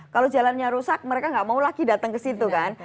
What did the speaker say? kalau jalannya rusak mereka nggak mau lagi datang ke situ kan